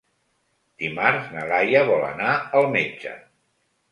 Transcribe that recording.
Dimarts na Laia vol anar al metge.